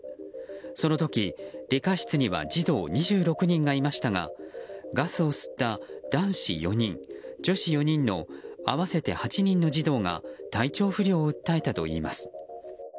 その時、理科室には児童２６人がいましたがガスを吸った男子４人、女子４人の合わせて８人の児童が体調不良を訴えたといいます。